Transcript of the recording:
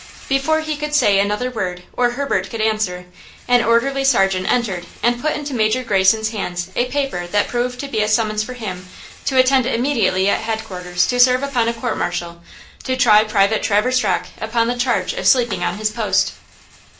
Before he could say another word or Herbert could answer, an orderly sergeant entered and put into Major Greyson's hands a paper that proved to be a summons for him to attend immediately at headquarters to serve upon a court martial, to try Private Traverse Rocke upon the charge of sleeping on his post.